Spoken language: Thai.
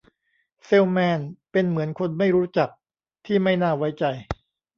เซลล์แมนเป็นเหมือนคนไม่รู้จักที่ไม่น่าไว้ใจ